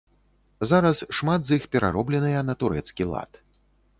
Зараз шмат з іх пераробленыя на турэцкі лад.